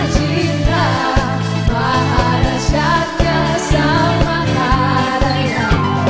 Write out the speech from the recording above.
cinta maafkan syaknya sama adanya